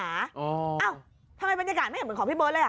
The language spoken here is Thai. เอ้าทำไมบรรยากาศไม่เห็นเหมือนของพี่เบิร์ตเลยอ่ะ